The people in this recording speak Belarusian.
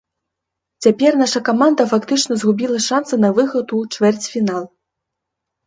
Цяпер наша каманда фактычна згубіла шанцы на выхад у чвэрцьфінал.